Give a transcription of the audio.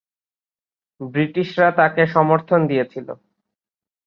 ব্রিটিশরা তাকে সমর্থন দিয়েছিল।